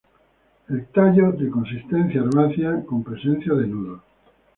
El tallo de consistencia herbácea, con presencia de nudos.